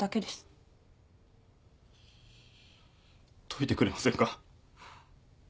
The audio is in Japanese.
解いてくれませんか？